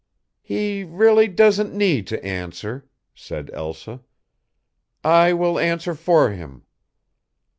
"He really doesn't need to answer," said Elsa. "I will answer for him.